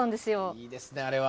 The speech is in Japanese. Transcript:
いいですねあれは。